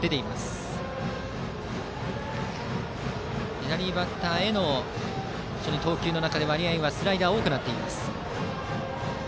左バッターへの投球でスライダーの割合が多くなっています。